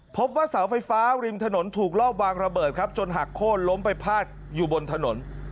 พบว่าเสาไฟฟ้าริมถนนถูกรอบวางระเบิดครับจนหักโค้นล้มไปพาดอยู่บนถนน